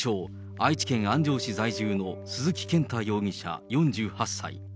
愛知県安城市在住の鈴木健太容疑者４８歳。